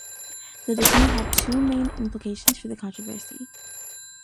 The decree had two main implications for the controversy.